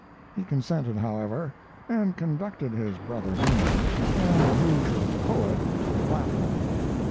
He consented, however, and conducted his brother humorist and the Hoosier poet to the platform.